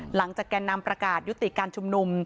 แก่นำประกาศยุติการชุมนุม